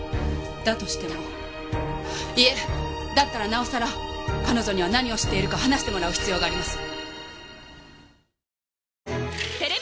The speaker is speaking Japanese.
だとしてもいえだったらなおさら彼女には何を知っているか話してもらう必要があります。